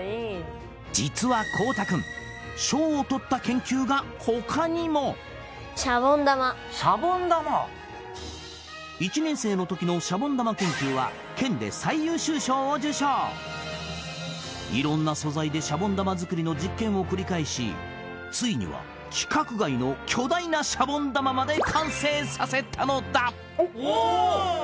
実は康太君賞を取った研究が他にもシャボン玉シャボン玉１年生のときのシャボン玉研究は県で最優秀賞を受賞色んな素材でシャボン玉作りの実験を繰り返しついには規格外の巨大なシャボン玉まで完成させたのだお！